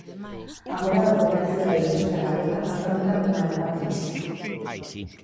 Agora o comercio e a industria galega afrontan unha nova crise.